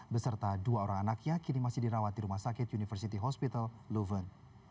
beserta dua orang anaknya kini masih dirawat di rumah sakit university hospital loven